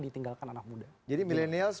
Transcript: ditinggalkan anak muda jadi milenial